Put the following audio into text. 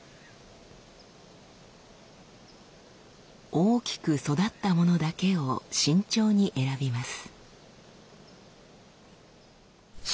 大きく育ったものだけを慎重に選びます。